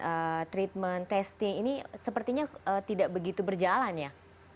apakah treatment testing ini sepertinya tidak begitu berjalan ya